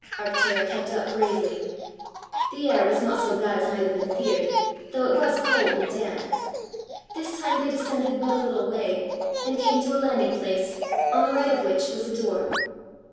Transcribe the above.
Arctura kept up bravely. The air was not so bad as might have been feared, though it was cold and damp. This time they descended but a little way, and came to a landing place, on the right of which was a door.